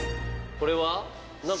これは？